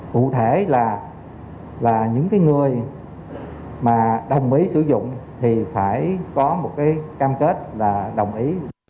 cụ thể là những người đồng ý sử dụng thì phải có một cam kết là đồng ý